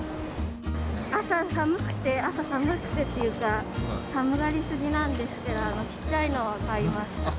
朝寒くて、朝寒くてっていうか、寒がりすぎなんですけど、ちっちゃいのを買いました。